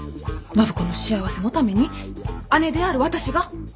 暢子の幸せのために姉である私が！